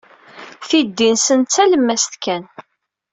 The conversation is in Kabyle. Tiddi-nsen d talemmast kan.